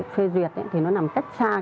phê duyệt thì nó nằm cách xa